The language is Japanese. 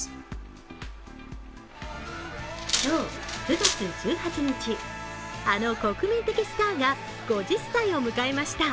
今日９月１８日、あの国民的スターが５０歳を迎えました。